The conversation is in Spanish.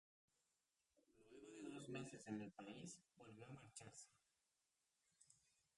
Luego de dos meses en el país volvió a marcharse.